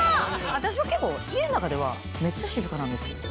私は結構家の中ではめっちゃ静かなんですよ。